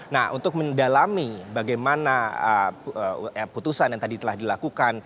nah untuk mendalami bagaimana putusan yang tadi telah dilakukan